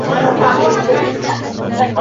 Natijada sohalar... rivojlanmaydi.